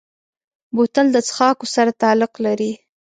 بوتل د څښاکو سره تعلق لري.